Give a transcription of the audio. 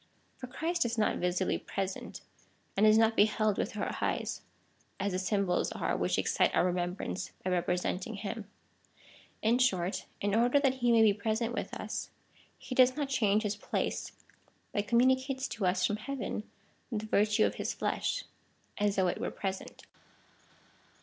For Christ is not visibly present, and is not beheld with our eyes, as the symbols are which excite our remembrance by representing him. In short, in order that he may be present with us, he does not change his place, but communicates to us from heaven the virtue of his flesh, as though it were present.